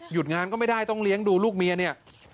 งานก็ไม่ได้ต้องเลี้ยงดูลูกเมียเนี่ย